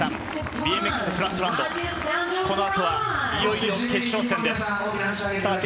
ＢＭＸフラットランド、この後はいよいよ決勝戦です。